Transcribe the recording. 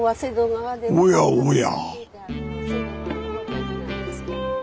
おやおや